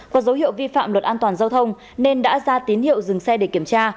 có dấu hiệu vi phạm luật an toàn giao thông nên đã ra tín hiệu dừng xe để kiểm tra